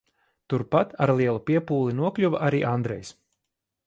Turpat, ar lielu piepūli nokļuva arī Andrejs.